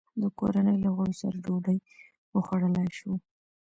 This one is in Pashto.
د کورنۍ له غړو سره ډوډۍ وخوړلای شو.